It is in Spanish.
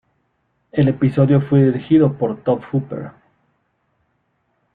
El episodio fue dirigido por Tobe Hooper.